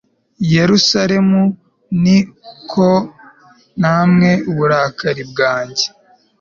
Yerusalemu ni ko namwe uburakari bwanjye